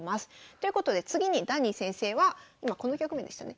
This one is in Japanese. ということで次にダニー先生は今この局面でしたね。